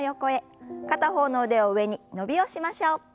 片方の腕を上に伸びをしましょう。